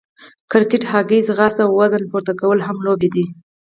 کرکېټ، هاکې، ځغاسته، وزن پورته کول هم لوبې دي.